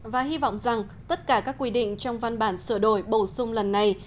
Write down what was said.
và hy vọng rằng tất cả các quy định trong văn bản sửa đổi bổ sung lần này